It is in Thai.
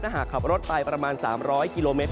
หากขับรถไปประมาณ๓๐๐กิโลเมตร